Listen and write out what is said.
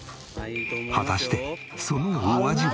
果たしてそのお味は？